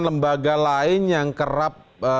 lembaga lain yang kerap